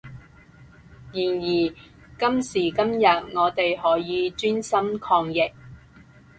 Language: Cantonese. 然而今時今日我哋可以專心抗疫